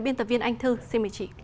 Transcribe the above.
biên tập viên anh thư xin mời chị